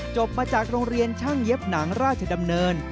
มาจากโรงเรียนช่างเย็บหนังราชดำเนิน